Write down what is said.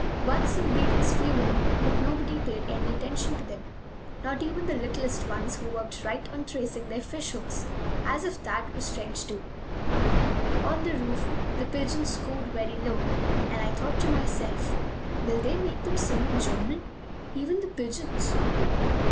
Once some beetles flew in; but nobody paid any attention to them, not even the littlest ones, who worked right on tracing their fish hooks, as if that was French, too. On the roof the pigeons cooed very low, and I thought to myself: "Will they make them sing in German, even the pigeons?"